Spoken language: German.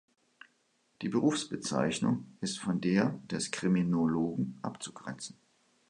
Die Berufsbezeichnung ist von der des Kriminologen abzugrenzen.